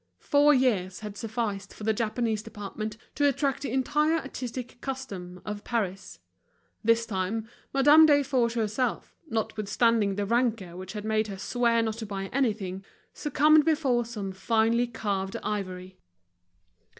Four years had sufficed for the Japanese department to attract the entire artistic custom of Paris. This time Madame Desforges herself, notwithstanding the rancour which had made her swear not to buy anything, succumbed before some finely carved ivory.